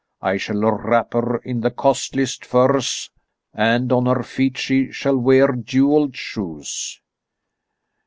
I shall wrap her in the costliest furs, and on her feet she shall wear jewelled shoes."